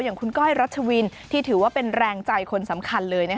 อย่างคุณก้อยรัชวินที่ถือว่าเป็นแรงใจคนสำคัญเลย